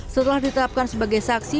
setelah ditetapkan sebagai saksi